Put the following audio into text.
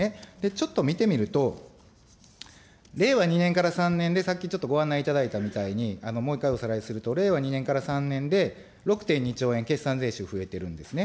ちょっと見てみると、令和２年から３年で、さっきちょっとご案内いただいたみたいに、もう一回おさらいすると、令和２年から３年で６．２兆円、決算税収増えてるんですね。